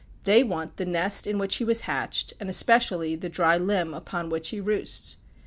They want the nest in which he was hatched, and especially the dry limb upon which he roosts.